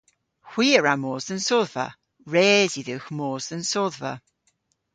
Hwi a wra mos dhe'n sodhva. Res yw dhywgh mos dhe'n sodhva.